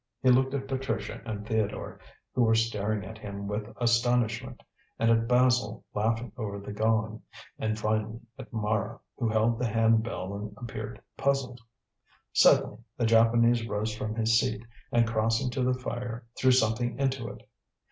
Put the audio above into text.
He looked at Patricia and Theodore, who were staring at him with astonishment, and at Basil laughing over the gong, and finally at Mara, who held the hand bell and appeared puzzled. Suddenly the Japanese rose from his seat, and, crossing to the fire, threw something into it.